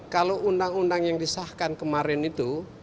kalau undang undang yang disahkan kemarin itu